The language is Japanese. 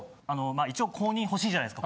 一応公認ほしいじゃないですか